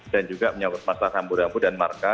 dan juga menyebut masalah tambur rambut dan marga